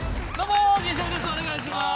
お願いします。